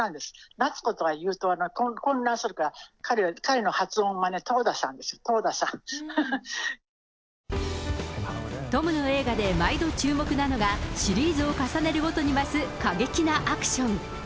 奈津子というと混乱するから、彼は、彼の発音はね、トーダサンです、トムの映画で毎度注目なのが、シリーズを重ねるごとに増す過激なアクション。